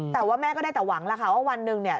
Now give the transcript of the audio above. แต่ว่าแม่ก็ได้แต่หวังแล้วค่ะว่าวันหนึ่งเนี่ย